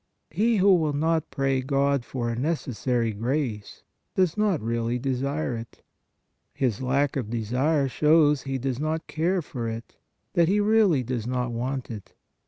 He who will not pray God for a neces sary grace, does not really desire it; his lack of desire shows that he does not care for it, that he really does not want it.